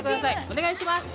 お願いします